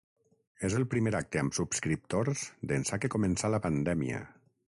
És el primer acte amb subscriptors d’ençà que començà la pandèmia.